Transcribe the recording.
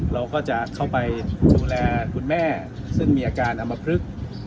เราก็จะเข้าไปดูแลคุณแม่ซึ่งมีอาการอำมพลึก